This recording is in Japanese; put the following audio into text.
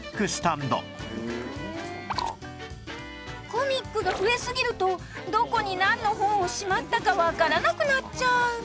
コミックが増えすぎるとどこになんの本をしまったかわからなくなっちゃう